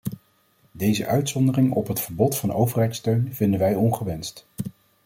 Deze uitzondering op het verbod van overheidssteun vinden wij ongewenst.